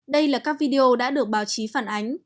đây là các video đã được báo chí phản ánh